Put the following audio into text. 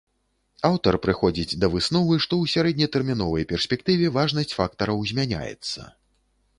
Аўтар прыходзіць да высновы, што ў сярэднетэрміновай перспектыве важнасць фактараў змяняецца.